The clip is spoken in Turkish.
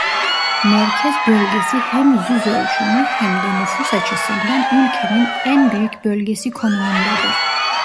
Merkez bölgesi hem yüzölçümü hem de nüfus açısından ülkenin en büyük bölgesi konumundadır.